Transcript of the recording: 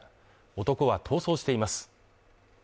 男は逃走しています。